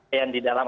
eh yang di dalam